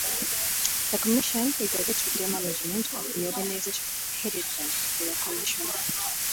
The Commission is the day-to-day management of the organization headed by the federal commissioner.